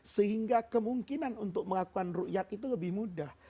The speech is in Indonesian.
sehingga kemungkinan untuk melakukan ruqyat itu lebih mudah